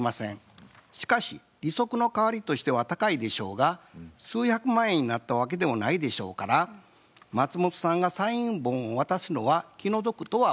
しかし利息の代わりとしては高いでしょうが数百万円になったわけでもないでしょうから松本さんがサイン本を渡すのは気の毒とは思われません。